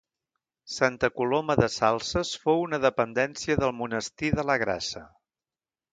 Santa Coloma de Salses fou una dependència del monestir de la Grassa.